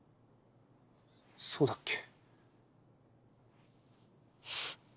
そうだっけ。